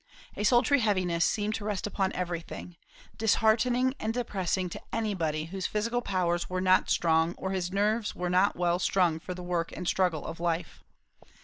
A sultry heaviness seemed to rest upon everything, disheartening and depressing to anybody whose physical powers were not strong or his nerves not well strung for the work and struggle of life.